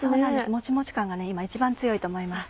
もちもち感が今一番強いと思います。